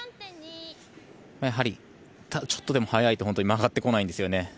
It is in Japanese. やはりちょっとでも速いと曲がってこないんですね。